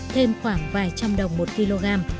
thêm khoảng vài trăm đồng một kg